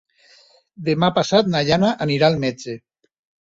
Demà passat na Jana anirà al metge.